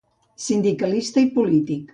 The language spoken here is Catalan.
Sindicalista i polític.